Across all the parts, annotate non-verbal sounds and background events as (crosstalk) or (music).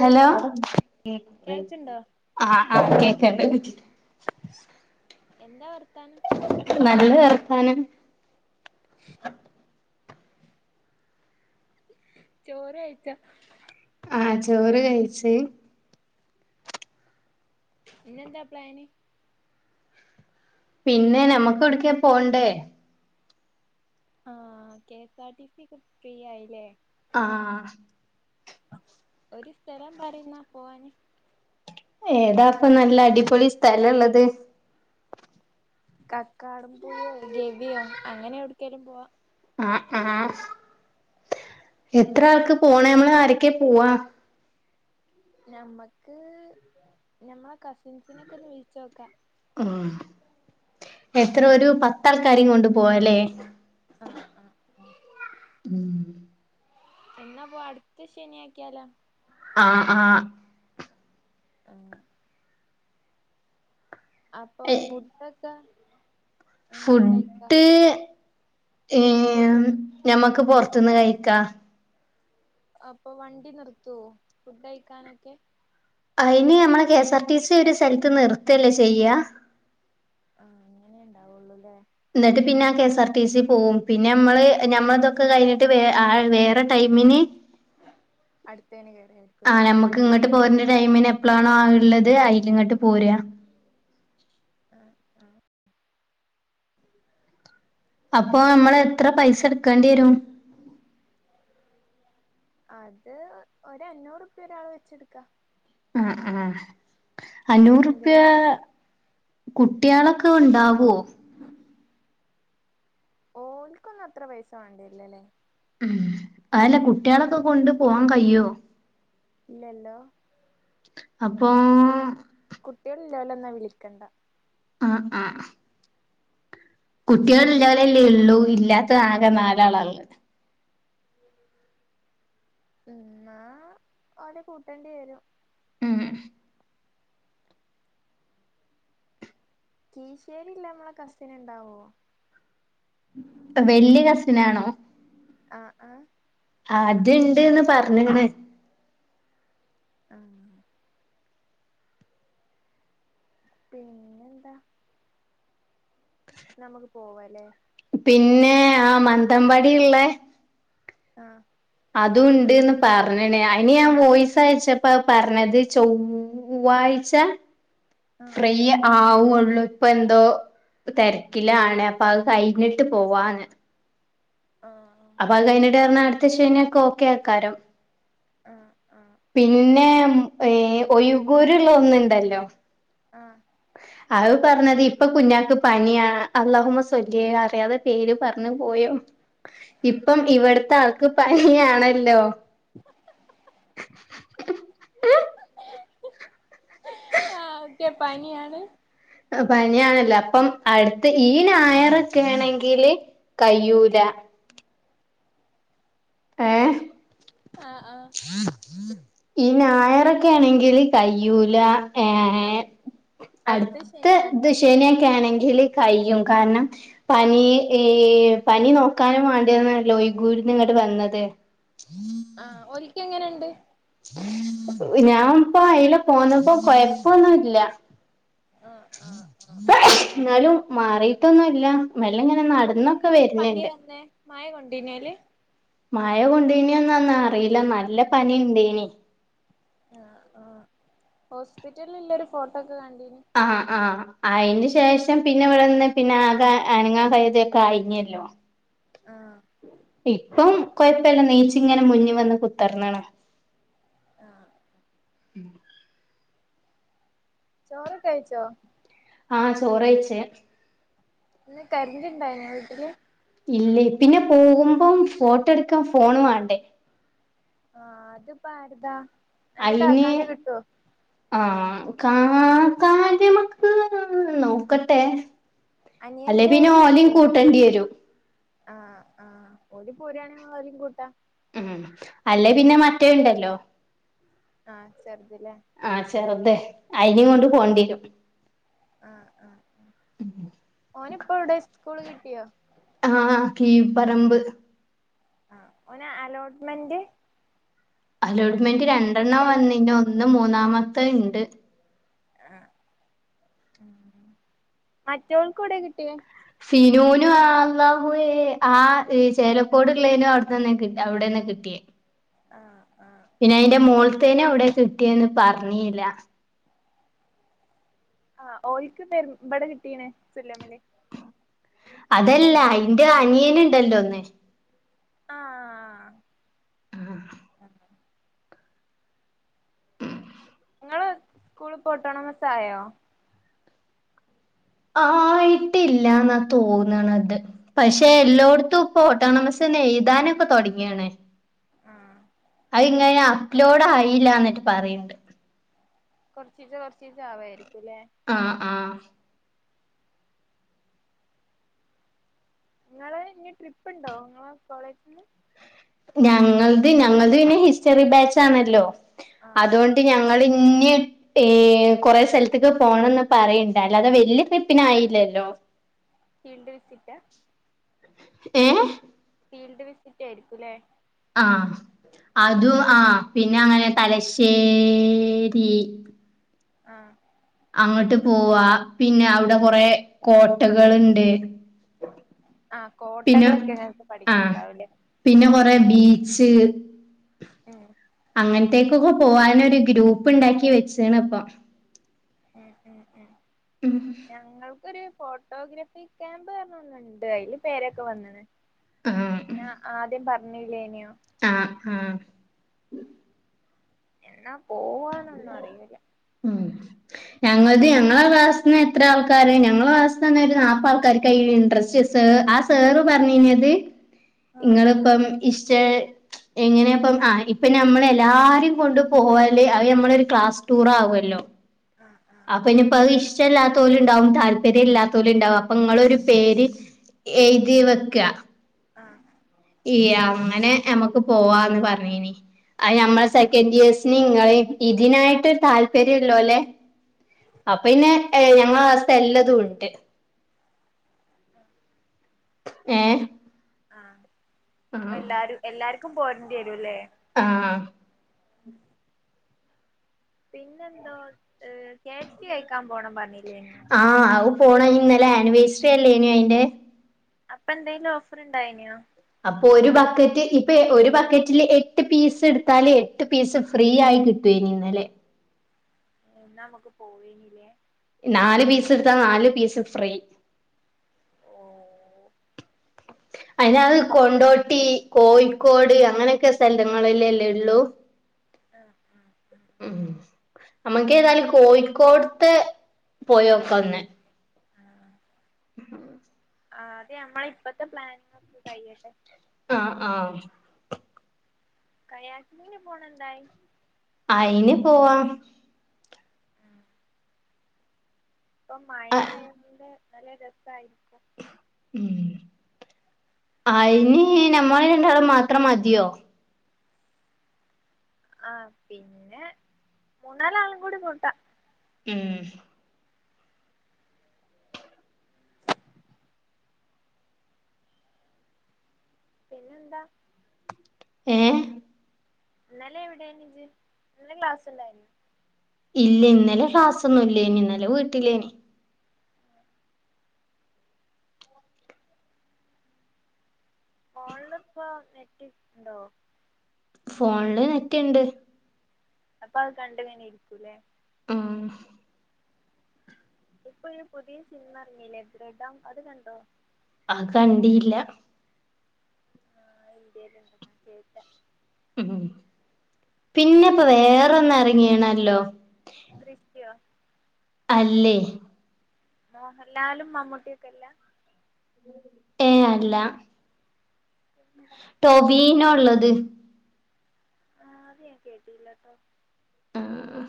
Hello കേൾക്ക്ണ്ടോ ആഹ് ആഹ് കേക്കണ്ട്. എന്താ വർത്താനം? നല്ല വർത്താനം. ചോറ് കഴിച്ചോ? ആഹ് ചോറ് കഴിച്ച്. ഇന്നെന്താ പ്ലാന്. പിന്നെ നമ്മക്ക് എവിടക്കേം പോണ്ടേ. ആഹ് K S R T C യൊക്കെ ഫ്രീ ആയില്ലേ. ആഹ്. ഒരു സ്ഥലം പറയിന്നാ പോവാന്. ഏതാപ്പ നല്ല അടിപൊളി സ്ഥലള്ളത്. കക്കാടം പൊയ ഗവിയോ അങ്ങനെ എവിടക്കേലും പോവാ ആഹ് ആഹ് എത്ര ആൾക്ക് പോണെ നമ്മള് ആരൊക്കെ പോവാ? ഞമ്മക്ക് ഞമ്മളെ കസിൻസിനൊക്കെ ഒന്ന് വിളിച്ചോക്കാം. ഉം എത്ര ഒരു പത്താൾക്കാരെയും കൊണ്ട് പോവാല്ലേ? ആഹ് ആഹ് ആഹ് ഉം എന്നാ പോവാ അടുത്ത ശനിയാക്കിയാലോ? ആഹ് ആഹ് ആഹ് അപ്പൊ ഫുഡൊക്കെ എങ്ങനെ കഴിക്കാ ഫുഡ് ഒരു ഏഹ് ഞമ്മക്ക് പൊറത്ത്ന് കഴിക്കാ അപ്പൊ വണ്ടി നിർത്തുവോ ഫുഡ് കഴിക്കാനൊക്കെ? അയിന് നമ്മള് കെസാർടീസി ഒരു സ്ഥലത്ത് നിർത്തല്ലേ ചെയ്യാ ആഹ് അങ്ങനെ ഇണ്ടാവുള്ളൂലേ ന്നിട്ട് പിന്നെ ആ കെസാർടിസി പോവും പിന്നെ നമ്മള് ഞമ്മളതൊക്കെ കഴിഞ്ഞിട്ട് വേ ആ വേറെ ടൈമിന് അടുത്തേന് കേറാരിക്കൂലേ ക്ക് ഇങ്ങട്ട് പോര്ന്ന ടൈമിന് എപ്പളാണോ അത് ഇള്ളത് അയില്ങ്ങട്ട് പോരാ ആഹ് അപ്പൊ നമ്മള് എത്ര പൈസ എടുക്കെണ്ടി വരും? അത് ഒര് അഞ്ഞൂറുപ്യ ഒരാള് വെച്ചെട്ക്കാ ആഹ് ആഹ് അഞ്ഞൂറ്പ്യാ എന്തേലാ കുട്ട്യാളൊക്കെ ഇണ്ടാവോ? ഓലിക്കൊന്നും അത്ര പൈസ വേണ്ടിവെര്ല്ലാല്ലേ ഉം അതല്ലാ കുട്ട്യാളൊക്കെ കൊണ്ട് പോവാൻ കയ്യോ ഇല്ലെല്ലോ അപ്പോം കുട്ട്യോള് ഇല്ലോലൊന്നും വിളിക്കെണ്ട ആഹ് ആഹ് കുട്ടികളില്ലാതെ അല്ലേ ഉള്ളൂ ഇല്ലാത്തത് ആകെ നാലാള ഉള്ളത് ഉം എന്നാ ഓലെ കൂട്ടേണ്ടി വരും ഉം കീശേരി ഉള്ള നമ്മടെ കസിൻ ഉണ്ടാവോ വല്യ കസിനാണോ ആഹ് ആഹ് അത് ഉണ്ടെന്ന് പറഞ്ഞേക്കണ് ആഹ് പിന്നെ നമുക്ക് പോവാല്ലേ പിന്നേ ആഹ് മന്തമ്പടി ഉള്ളെ ആഹ് അതും ഉണ്ടെന്ന് പറഞ്ഞതാണ് അതിന് ഞാൻ വോയിസ് അയച്ചപ്പോ അത് പറഞ്ഞത് ചൊ വ്വാഴ്ച ആഹ് പയ്യെ ആവൂള്ളൂ ഇപ്പൊ എന്തോ തെരക്കിലാണ് അപ്പൊ അത് കഴിഞ്ഞിട്ട് പോവാന്ന് ആഹ് ആഹ് അത് അപ്പൊ കഴിഞ്ഞിട്ട് എന്ന്‌ പറഞ്ഞാ അടുത്ത ശനിയൊക്ക ഓക്ക അയ്ക്കാരം ആഹ് ആഹ് ആഹ് പിന്നെ ഈ ഒഴ്ഗൂരുള്ള ഒന്നുണ്ടല്ലോ ആഹ് അത് പറഞ്ഞത് ഇപ്പൊ കുഞ്ഞാക്ക് പനിയാ അള്ളാഹുമ്മ സൊല്ലീയേ അറിയാതെ പേര് പറഞ്ഞു പോയോ ഇപ്പം ഇവിടുത്തെ ആൾക്ക് പനിയാണല്ലോ ആഹ് ഓക്കെ പനിയാണ് പനിയാണല്ലോ അപ്പം അടുത്ത് ഈ ഞായറൊക്കെ ആണെങ്കില് കയ്യൂല ഏഹ് ആഹ് ആഹ് ഈ ഞായറൊക്കെ ആണെങ്കില് കയ്യൂല എന്നാ ഏഹ് അടുത്ത അടുത്ത് ശനിയാക്കാം ഇത് ശനിയൊക്കെ ആണെങ്കില് കയ്യും കാരണം പനി ഏ പനി നോക്കാനും വാണ്ടിയിരുന്നല്ലോ ഈ കുരുന്ന് ട്ട് വന്നത് ആഹ് ഓലിക്ക്‌ എങ്ങനെയുണ്ട് ഞാൻ ഇപ്പം അയിലേ പോന്നപ്പോ കൊയപ്പവൊന്നും ഇല്ല ആഹ് ആഹ് ആഹ് എന്നാലും മാറിയിട്ടൊന്നും ഇല്ല മെല്ലെ ഇങ്ങനെ നടന്നൊക്കെ വരുന്നുണ്ട് മയ കൊണ്ടീനാ ഓല് മയ കൊണ്ടീനോന്നൊന്നും അറിയില്ല നല്ല പനി ഉണ്ടെയ്നി ആഹ് ആഹ് ഹോസ്പിറ്റല് ഉള്ളൊരു ഫോട്ടോ ഒക്കെ കണ്ടീന് ആഹ് ആഹ് അയിന് ശേഷം പിന്നെ ഇവിടെ വന്ന് പിന്നെ ആകെ അനങ്ങാൻ കയ്തൊക്കെ ആയിനല്ലോ ആഹ് ഇപ്പം കൊഴപ്പവില്ല എനീച്ച് ഇങ്ങനെ മുന്നിൽ വന്ന് കുത്തർന്നാണ് ആഹ് ഉം ചോർ ക്കഴിച്ചോ ആഹ് ചോറെയ്ച്ച് ഇന്ന് കരണ്ട് ഇണ്ടായിനൊ വീട്ടില് ഇല്ലേ പിന്നെ പോകുമ്പം ഫോട്ടോ എടുക്കാൻ ഫോൺ വാണ്ടേ ആഹ് അത്പ്പോ ആര്താ അയിന് ആഹ് കാണാ കാര്യമക്ക് നോക്കട്ടെ അല്ലെ പിന്നെ അനിയന്റെയാലും ഓലിം കിട്ടോ കൂട്ടേണ്ടിരും ആഹ് ആഹ് ഓല് പോരാണെ ഓലേം കൂട്ടാ ഉം അല്ലേ പിന്നെ മറ്റേ ണ്ടല്ലോ ആഹ് ചെറുത് ലേ ആഹ് ചെറുതെ അയിനേം കൊണ്ട് പോണ്ട്യരും ആഹ് ആഹ് ആഹ് ഓനിപ്പോ എവിടെ സ്കൂൾ കിട്ടിയോ ആഹ് കീപറമ്പ് ആഹ് ഓന് അലോട്ട്മെന്റ് അലോട്ട്മെന്റ് ഇത് രണ്ടെണ്ണം കഴിഞ്ഞോ വന്നിനു ഒന്ന് മൂന്നാമത്തെണ്ട് ആഹ് ഉം മറ്റവൾക്ക്‌ എവ്ടെ കിട്ടിയേ ഫിനൂനു ആള്ളാഹുവേ ആഹ് ചേലക്കോട്ള്ളെനും അവിട്ത്തെന്നെ കി അവിടെന്നെ കിട്ടിയെ ആഹ് ആഹ് പിന്നെ ആഹ് അയിന്റെ മോൾത്തേനെ എവ്ടെ കിട്ടിയെന്ന് പറഞ്ഞീല്ല ആഹ് ഓൽക്ക് പെരു ഇവിടെ കിട്ടീണെ സുല്ലമില് അതല്ല അയിന്റെ അനിയെന്ണ്ടല്ലോ ഒന്ന് ആഹ് ആഹ് ങ്ങെളെ സ്കൂള്പ്പോ ഓട്ടോണോമസ് ആയോ അഹ് ആയിട്ടില്ലാന്ന തോന്ന്ണത് പക്ഷെ എല്ലോട്ത്തുപ്പോ ഓട്ടോണമസെന്നെ എഴുതാനൊക്കെ തുടങ്ങിണ് ആഹ് അഹ് ഇങ്ങനെ അപ്ലോട് ആയില്ലാന്നിട്ട് പറയ്ണ്ട് കൊർച്ചീച്ച കൊർച്ചീച്ച ആവായിരിക്കുല്ലേ ആഹ് ആഹ് നിങ്ങള് ഇനി ട്രിപ്പ് ണ്ടോ ങ്ങളെ കോളേജ്ന്ന് ഞങ്ങൾത് ഞങ്ങൾത് പിന്നെ ഹിസ്റ്ററി ബാച്ചാണല്ലോ ആഹ് അതോ ണ്ട് ഞങ്ങള് ന്നെ ഏഹ് കൊറെ സെൽത്ത്ക്ക് പോണന്ന് പറയിണ്ട് അല്ലാതെ വെല്ല്യ ട്രിപ്പിനായില്ലല്ലോ ഫീൽഡ് വിസിറ്റ ഏഹ് ഫീൽഡ് വിസിറ്റ് ആയിരിക്കൂല്ലേ. ആഹ് അതും ആഹ് പിന്നെ അങ്ങനെ തലശ്ശേരി ആഹ്. അങ്ങട്ട് പോവാ. പിന്നെ അവിടെ കൊറെ കോട്ടകള്ണ്ട്. ആഹ് കോട്ടകളൊക്കെ ഞങ്ങക്ക് ആഹ് പഠിക്കാൻണ്ടാവൂലേ. പിന്നെ കൊറേ ബീച്ച് ഉം അങ്ങൻത്തെ പൊക്കൊ പോവാനൊരു ഗ്രൂപ്പ് ണ്ടാക്കി വെച്ചേണ് ഇപ്പം. ഉം ഉം ഉം ഉം ഞങ്ങൾക്കൊര് ഫോട്ടോഗ്രാഫി ക്യാമ്പ് പർഞ്ഞൊന്ന്ണ്ട് അയില് പേരെക്കെ വന്ന്ണ് ആഹ് ഞാൻ ആദ്യം പറ്ഞ്ഞില്ലേനിയോ ആഹ് ആഹ് എന്നാ പോവാന്നൊന്നും അറിയേല്ല ഉം ഞങ്ങള്ത് ഞങ്ങള്ടെ ക്ലാസ്സ്ന്ന് എത്ര ആൾക്കാര് ഞങ്ങള്ടെ ക്ലാസ്സ്ന്നന്നെ ഒരു നാപ്പത് ആൾക്കാര്ക്കാ ഈ ഇൻട്രസ്റ്റ്സ് സാറ് ആഹ് സാർ പറഞ്ഞീനത് ആഹ് ഇങ്ങള്പ്പം ഇഷ്ട് എങ്ങനേപ്പം ആഹ് ഇപ്പൊ ഞമ്മള് എല്ലാരിം കൊണ്ട് പോവല് അത് ഞമ്മളെ ഒരു ക്ലാസ് ടൂർ ആവോല്ലോ ആഹ് ആഹ് (unintelligible) ഇഞ്ഞ്പ്പം അഹ് ഇഷ്ടല്ലാത്തോല് ഇണ്ടാവും താല്പര്യം ഇല്ലാത്തോല് ഇണ്ടാവും അപ്പൊ ഇങ്ങളൊര് പേര് എഴ്തി വെക്കാ ആഹ് ഈയങ്ങനെ ഞമ്മക്ക് പോവാന്ന് പറ്ഞ്ഞീനി അഹ് ആഹ് ഞമ്മളെ സെക്കൻ്റ് ഇയേഴ്സ് നിങ്ങളിം ഇതിനായിട്ട് താല്പര്യം ഇള്ളോലെ അപ്പൊ പിന്നെ ഏഹ് ഞങ്ങളെ ക്ലാസ്ത്തെ എല്ലതും ഉണ്ട് (unintelligible) ഏഹ് ആഹ് ഇപ്പ എല്ലാരും എല്ലാര്ക്കും പോരേണ്ടി വരൂല്ലേ ആഹ് പിന്നെന്തോ ഏഹ് കെഫ് സി കഴിക്കാൻ പോണം പറഞ്ഞില്ലേന്യോ ആഹ് അവുപ്പോണം ഇന്നലെ ആനിവേഴ്സറി അല്ലേന്യോ അയിന്റെ അപ്പ എന്തേലും ഓഫർ ഇണ്ടായിനോ? അപ്പൊ ഒരു ബക്കറ്റ് ഇപ്പേ ഒരു ബക്കറ്റില് എട്ട് പീസ് എട്ത്താല് എ ട്ട് പീസ് ഫ്രീയായി കിട്ടുവേനി ഇന്നലെ ഏഹ് ഇന്നാ അമ്മക്ക് പോവേനില്ലേ നാല് പീസ് ഇട്ത്താ നാല് പീസ് ഫ്രീ ഓഹ് അതിനഹ് കൊണ്ടോട്ടി, കോഴിക്കോട് അങ്ങനെക്കെ സ്ഥലങ്ങളില്ലല്ലേള്ളു ആഹ് ആഹ് ആഹ് ഉം ഞാൻ നമ്മക്കേതായാലും കോഴിക്കോട്ത്തെ പോയോക്കാ ഒന്ന് ആഹ് (inaudible) ആദ്യം അമ്മളെ ഇപ്പഴത്തെ പ്ലാനിങ്ങൊക്കെ കഴിയട്ടെ ആഹ് ആഹ് കയാറ്റിങ്ങിന് പോണെ എന്തായി അയിന് പോവാം ആഹ് ഇപ്പൊ മഴ ആ ആയേൻ്റെ നല്ല രസായിരിക്കും ഉം അയിനി ഞമ്മള് രണ്ടാളും മാത്രം മതിയോ? ആഹ്‌ പിന്നെ മൂന്നാലാളും കൂടി കൂട്ടാ ഉം പിന്നെന്താ? ഏഹ്? ഇന്നലെ എവിടെയാണിജ്ജ് ഇന്ന് ക്ലാസ്സുണ്ടായിരുന്നാ ഇല്ല്യ ഇന്നലെ ക്ലാസ്സൊന്നുല്ലേനി ഇന്നലെ വീട്ടിലേനി ഫോണിലിപ്പോ നെറ്റ്ട്ട്ണ് ണ്ടോ? ഫോണില് നെറ്റ്ണ്ട് അപ്പ അത് കണ്ട്ങ്ങനെ ഇരിക്കൂല്ലേ? ആഹ് ഇപ്പൊ ഒരു പുയത്യേ സിനിമ എറങ്ങീല്ലേ ദൃഡം അത് കണ്ടോ? അഹ്‌ കണ്ടീല്ല ആഹ് എന്തേലുണ്ടങ്കി കേട്ട ം പിന്നപ്പൊ വേറൊന്ന് എറങ്ങീണല്ലോ ദൃശ്യോ? അല്ലേ മോഹല്ലാലും മമ്മുട്ടിക്കല്ല- ഏഹ്‌ അല്ല (unintelligible) ടൊവീന്നോള്ളത് ആഹ് അത് ഞാൻ കേട്ടില്ലാട്ടോ- ആഹ്‌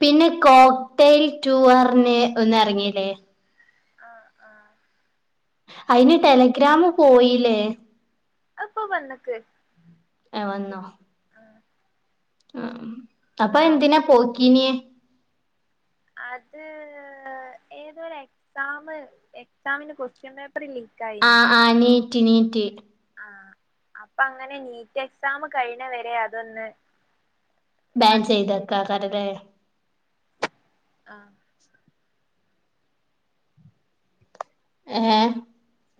പിന്നെ കോക്ടൈൽ ടൂ അർഞ്ഞെ ഒന്നെറങ്ങീല്ലേ? ആഹ്‌ ആഹ് അയിന് ടെലഗ്രാമ് പോയീലേ? അത്പ്പൊ വന്ന്ക്ക് അഹ് വന്നോ? ആഹ്‌ ആഹ് അപ്പൊ എന്തിനാ നോക്കില്ലേ പോക്കീനെ അത് ഏതോര് എക്സാമ് എക്സാമിന് കൊസ്ട്യൻ പേപ്പറ് ലീ ആഹ്‌ ആഹ്‌ നീറ്റ് നീറ്റ് ആഹ്‌ അപ്പങ്ങനെ നീറ്റ് എക്സാമ് കഴിയിണ വരെ അതൊന്ന് ബാൻ കണ്ട്രോളെയ്തത് ചെയ്തേക്കാക്കാരല്ലേ ആഹ്‌ ഏഹ്‌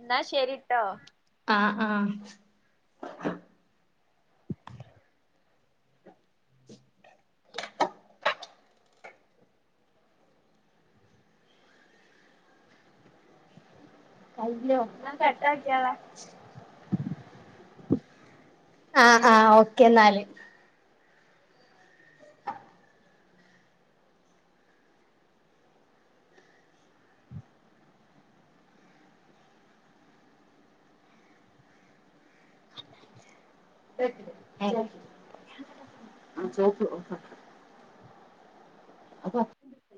ന്നാ ശരീട്ടോ ആഹ് ആഹ്‌ കയ്യോ എന്നാ ഞാൻ പെട്ടന്ന് കട്ടാക്കിയാളാ ആഹ് ആഹ് ഓക്കെ ന്നാല്. (unintelligible) (unintelligible) അപ്പ (inaudible)